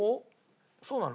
そうなの？